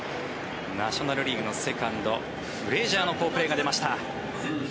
ナショナル・リーグのセカンドフレジャーの好プレーが出ました。